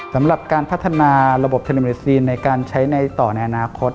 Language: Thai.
สำหรับการพัฒนาระบบเทนิเมซีนในการใช้ในต่อในอนาคต